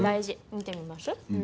見てみましょう。